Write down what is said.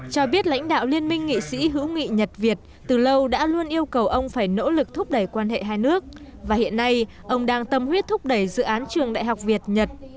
cho biết lãnh đạo liên minh nghị sĩ hữu nghị nhật việt từ lâu đã luôn yêu cầu ông phải nỗ lực thúc đẩy quan hệ hai nước và hiện nay ông đang tâm huyết thúc đẩy dự án trường đại học việt nhật